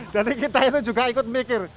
jadi kita itu juga ikut mikir